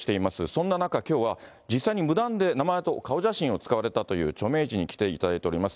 そんな中、きょうは実際に無断で名前と顔写真を使われたという著名人に来ていただいております。